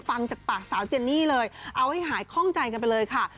ฟังจากปากสาวเจนนี่เลยเอาให้หายคล่องใจกันไปเลยค่ะ